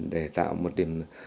để tạo một điểm